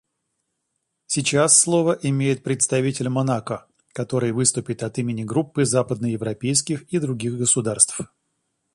Сейчас слово имеет представитель Монако, который выступит от имени Группы западноевропейских и других государств.